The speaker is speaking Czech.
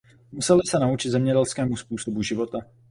Museli se naučit zemědělskému způsobu života.